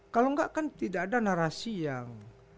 kalau enggak kan tidak ada narasi yang